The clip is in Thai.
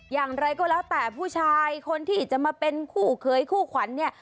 อย่างไรก็แล้วแต่ผู้ชายคนที่จะมาเป็นคู่เคยคู่ขวัญเนี่ย